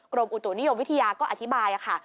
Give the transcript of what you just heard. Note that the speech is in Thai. กรมอุตุนิยมวิทยาก็อธิบายค่ะ